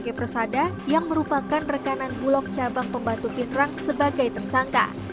g persada yang merupakan rekanan bulog cabang pembantu pitrang sebagai tersangka